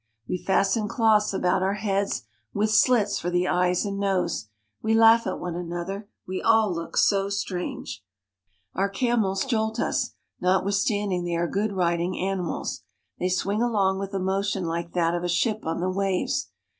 We fasten cloths about our heads, with slits for the eyes and nose. We laugh at one another, we all look so strange. Our camels jolt us, notwithstanding they are good riding animals. They swing along with a motion like that of a ship on the waves.